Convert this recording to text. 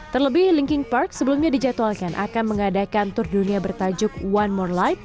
terlebih linking park sebelumnya dijadwalkan akan mengadakan tur dunia bertajuk one more light